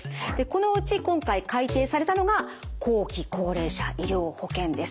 このうち今回改定されたのが後期高齢者医療保険です。